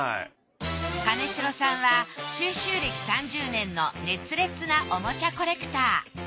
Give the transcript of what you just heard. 金城さんは収集歴３０年の熱烈なおもちゃコレクター。